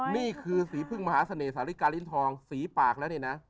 นี่คือสีพึ่งมหาเสน่สาฬิกาลิ้นทองสีปากแล้วเนี่ยนะ